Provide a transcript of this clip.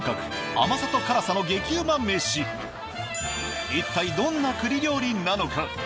甘さと辛さの激ウマ飯一体どんな栗料理なのか？